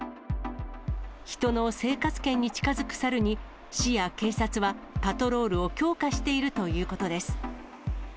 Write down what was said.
人の生活圏に近づくサルに、市や警察はパトロールを強化しているということです。